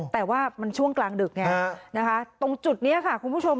แต่ว่ามันช่วงกลางดึกตรงจุดนี้ค่ะคุณผู้ชม